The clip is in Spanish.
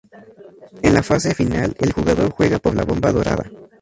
En la fase final el jugador juega por la bomba dorada.